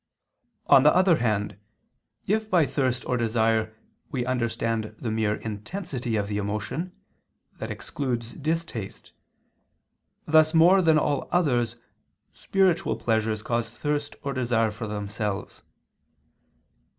On the other hand, if by thirst or desire we understand the mere intensity of the emotion, that excludes distaste, thus more than all others spiritual pleasures cause thirst or desire for themselves.